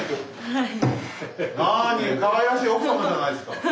はい。